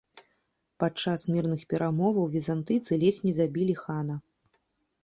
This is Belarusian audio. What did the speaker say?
Падчас мірных перамоваў візантыйцы ледзь не забілі хана.